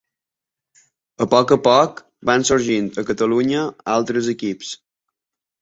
A poc a poc, van sorgint a Catalunya altres equips.